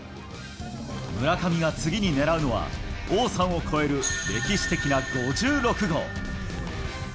村上が次に狙うのは、王さんを超える歴史的な５６号。